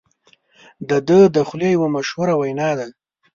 د ده د خولې یوه مشهوره وینا ده.